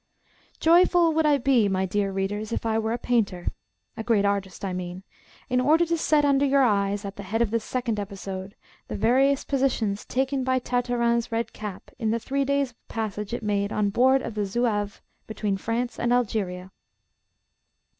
JOYFUL would I be, my dear readers, if I were a painter a great artist, I mean in order to set under your eyes, at the head of this second episode, the various positions taken by Tartarin's red cap in the three days' passage it made on board of the Zouave, between France and Algeria.